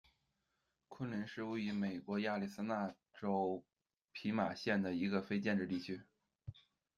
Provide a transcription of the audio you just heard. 昆林是位于美国亚利桑那州皮马县的一个非建制地区。